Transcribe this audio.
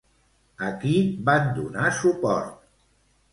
A qui van donar suport?